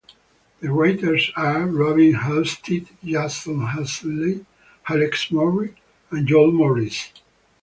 The writers are Robin Halstead, Jason Hazeley, Alex Morris and Joel Morris.